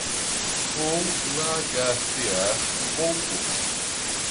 Vou lagartear um pouco